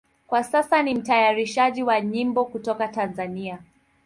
Kwa sasa ni mtayarishaji wa nyimbo kutoka Tanzania.